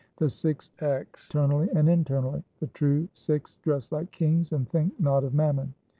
5 The Sikhs externally and internally :— The true Sikhs dress like kings and think not of mammon.